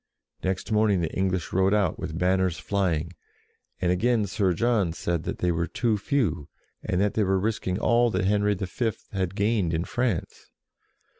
" Next morning the English rode out with banners flying, and again Sir John said that they were too few, and that they were risking all that Henry V. had gained in France.